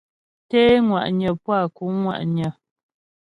Té ŋwa'nyə puá kǔŋ ŋwa'nyə.